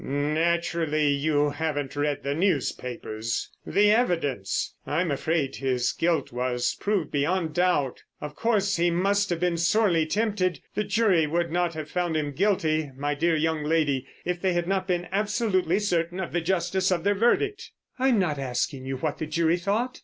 "Naturally, you haven't read the newspapers—the evidence. I'm afraid his guilt was proved beyond doubt. Of course, he must have been sorely tempted. The jury would not have found him guilty, my dear young lady, if they had not been absolutely certain of the justice of their verdict." "I'm not asking you what the jury thought.